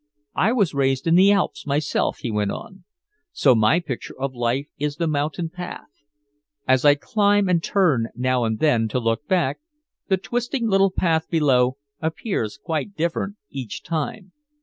"I was raised in the Alps myself," he went on. "So my picture of life is the mountain path. As I climb and turn now and then to look back, the twisting little path below appears quite different each time.